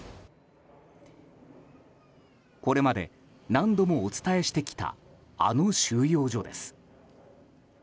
これまで何度もお伝えしてきたあの収容所です。